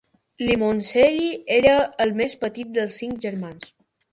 Limoncelli era el més petit de cinc germans.